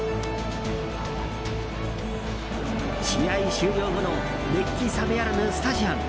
試合終了後の熱気冷めやらぬスタジアム。